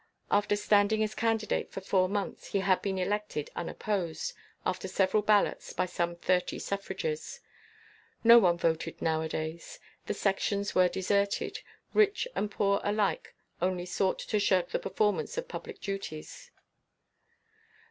After standing as candidate for four months, he had been elected unopposed, after several ballots, by some thirty suffrages. No one voted nowadays; the Sections were deserted; rich and poor alike only sought to shirk the performance of public duties.